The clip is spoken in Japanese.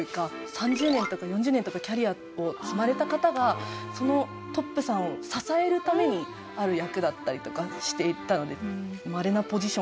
３０年とか４０年とかキャリアを積まれた方がトップさんを支えるためにある役だったりとかしていたので。